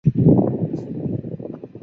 县政府驻塔荣镇。